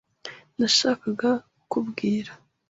Nashakaga kukubwira.